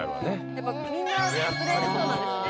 やっぱみんなとりあえずそうなんですね